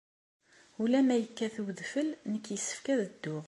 Ula ma yekkat wedfel, nekk yessefk ad dduɣ.